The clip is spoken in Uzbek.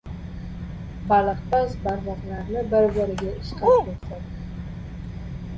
Baliqpaz barmoqlarini bir-biriga ishqab ko‘rsatdi.